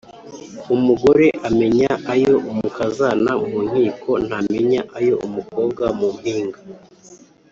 Umugore amenya ayo umukazana mu nkiko, ntamenya ayo umukobwa mu mpinga.